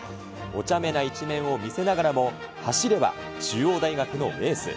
おちゃめな一面を見せながらも、走れば中央大学のエース。